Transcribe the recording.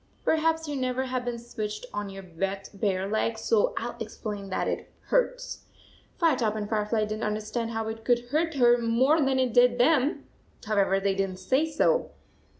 Perhaps you never have been switched on your wet bare legs, so I 11 explain that it hurts. Firetop and Firefly did n t under stand how it could hurt her more than it did them. However, they did n t say so.